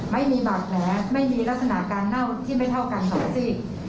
ไม่มีบัตรแหละไม่มีลักษณะการเน่าที่ไม่เท่ากันหรอกสิ